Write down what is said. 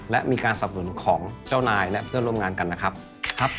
และมีการสับสนุนของเจ้านายและเพื่อนร่วมงานกันนะครับ